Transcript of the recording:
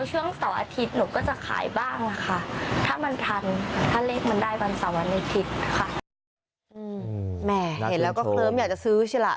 หนูขายเป็นรายได้เสริมค่ะ